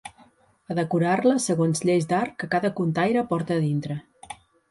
A decorar-la segons lleis d'art que cada contaire porta a dintre.